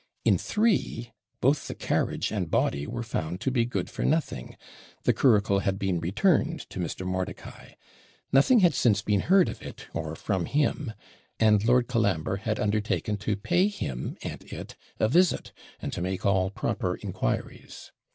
In three, both the carriage and body were found to be good for nothing the curricle had been returned to Mr. Mordicai nothing had since been heard of it, or from him and Lord Colambre had undertaken to pay him and it a visit, and to make all proper inquiries.